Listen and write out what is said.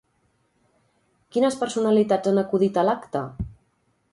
Quines personalitats han acudit a l'acte?